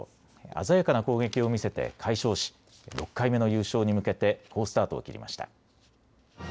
鮮やかな攻撃を見せて快勝し６回目の優勝に向けて好スタートを切りました。